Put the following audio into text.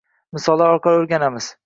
Misollar orqali oʻrganamiz